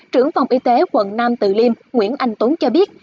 trưởng phòng y tế quận nam tự liêm nguyễn anh tốn cho biết